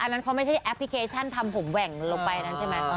อันนั้นเขาไม่ใช่แอปพลิเคชันทำผมแหว่งลงไปนั้นใช่ไหม